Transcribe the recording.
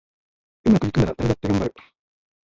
うまくいくなら誰だってがんばる